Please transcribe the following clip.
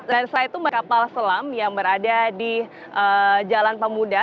dan saya itu mengikuti kapal selam yang berada di jalan pemuda